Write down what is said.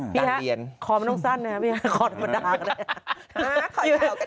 พี่แฮะคอไม่ต้องสั้นนะขอแบบทางนะ